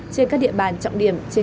trên các địa bàn trọng điểm trên cả nước